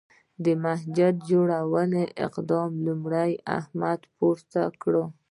د مسجد جوړولو قدم لومړی احمد پورته کړ.